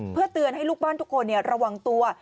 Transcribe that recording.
เพื่อเตือนให้ลูกบ้านทุกคนระวังตัว